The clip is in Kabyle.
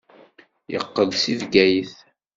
Yeqqel-d seg Bgayet.